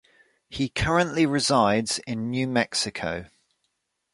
He currently resides in New Mexico.